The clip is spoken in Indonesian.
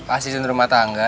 asisten rumah tangga